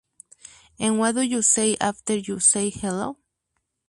En What do you say after you say hello?